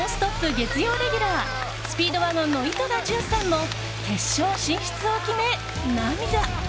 月曜レギュラースピードワゴンの井戸田潤さんも決勝進出を決め、涙。